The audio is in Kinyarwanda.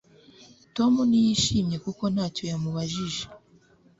Tom ntiyishimye kuko ntacyo yamubajije